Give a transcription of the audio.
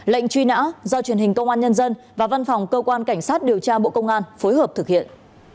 lệnh truy nã do truyền hình công an nhân dân và văn phòng cơ quan cảnh sát điều tra bộ công an phối hợp thực hiện